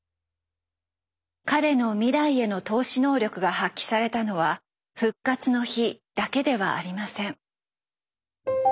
彼の未来への透視能力が発揮されたのは「復活の日」だけではありません。